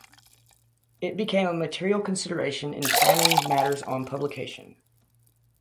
It became a material consideration in planning matters on publication.